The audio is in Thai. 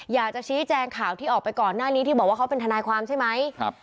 อยากจะชี้แจงข่าวที่ออกไปก่อนหน้านี้ที่บอกว่าเขาเป็นทนายความใช่ไหม